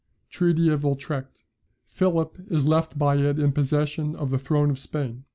Treaty of Utrecht. Philip is left by it in possession of the throne of Spain.